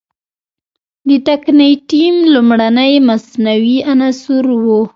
د تکنیټیم لومړنی مصنوعي عنصر و.